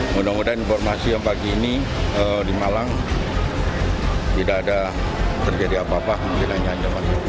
mudah mudahan informasi yang pagi ini di malang tidak ada terjadi apa apa nilainya hanya